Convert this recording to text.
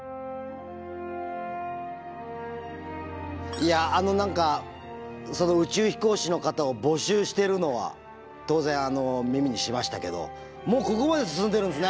いやあの何かその宇宙飛行士の方を募集してるのは当然耳にしましたけどもうここまで進んでるんですね。